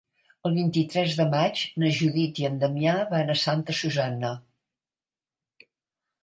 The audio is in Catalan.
El vint-i-tres de maig na Judit i en Damià van a Santa Susanna.